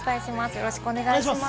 よろしくお願いします。